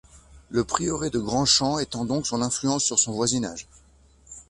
Le prieuré de Grandchamp étend donc son influence sur son voisinage.